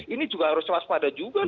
ini juga harus waspada juga